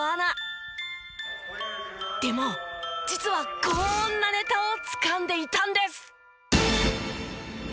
でも実はこんなネタをつかんでいたんです！